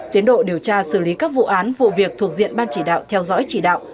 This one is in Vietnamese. tiến độ điều tra xử lý các vụ án vụ việc thuộc diện ban chỉ đạo theo dõi chỉ đạo